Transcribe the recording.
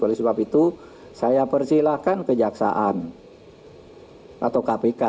oleh sebab itu saya persilahkan kejaksaan atau kpk